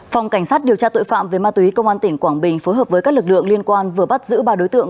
phòng cảnh sát điều tra tội phạm về ma túy công an tỉnh quảng bình phối hợp với các lực lượng liên quan vừa bắt giữ ba đối tượng